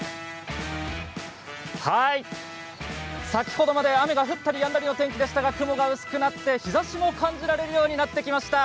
先ほどまで雨が降ったりやんだりの天気でしたが雲が少なく、日ざしも感じられるようになってきました。